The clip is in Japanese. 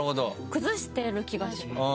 崩してる気がします。